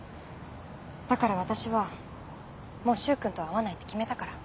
だから私はもう柊君とは会わないって決めたから。